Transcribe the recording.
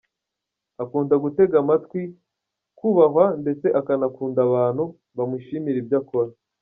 Akunda gutegwa amatwi, kubahwa ndetse akanakunda abantu bamushimira ibyo akora.